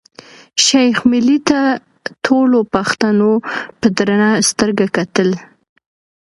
شېخ ملي ته ټولو پښتنو په درنه سترګه کتل.